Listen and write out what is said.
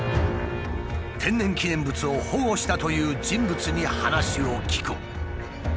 天然記念物を保護したという人物に話を聞く。